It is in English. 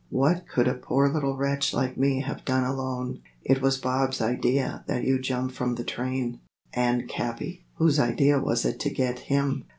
What could a poor little wretch like me have done alone? It was Bob's idea that you jump from the train." "And Capi? Who's idea was it to get him?"